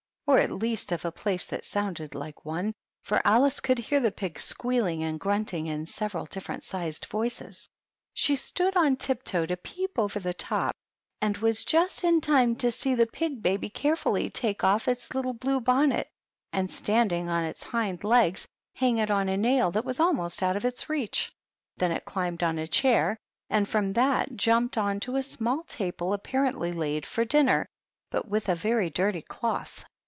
or at least of a place that sounded like one, for Alice could hear the pigs squealing and grunting in several different sized voices. She stood on tiptoe to peep over the top, and was just in time to see the pig baby carefully take off its little blue bonnet and, standing on its hind 26 PEGGY THE PIG. legs, hang it on a nail that was almost out of its reach. Then it climbed on a chair, and from that jumped on to a small table apparently laid for dinner, but with a very dirty cloth.